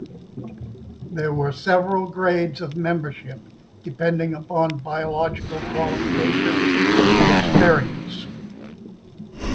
There were several grades of membership, depending upon biological qualifications and experience.